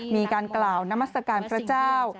มีการกล่าวนามัศกาลพระเจ้า